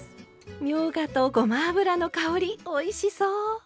みょうがとごま油の香りおいしそう！